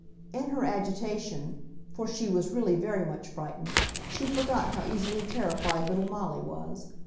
In her agitation (for she was really very much frightened) she forgot how easily terrified little Molly was.